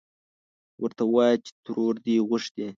ورته ووايه چې ترور دې غوښتې.